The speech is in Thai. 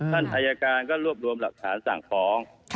อายการก็รวบรวมหลักฐานสั่งฟ้อง